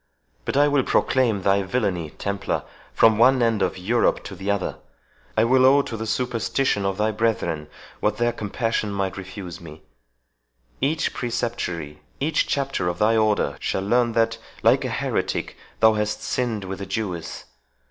But I will proclaim thy villainy, Templar, from one end of Europe to the other. I will owe to the superstition of thy brethren what their compassion might refuse me, Each Preceptory—each Chapter of thy Order, shall learn, that, like a heretic, thou hast sinned with a Jewess.